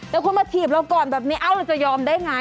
แล้วคุณมาถีบเราก่อนแบบนี้เอ้าเราจะยอมได้ไง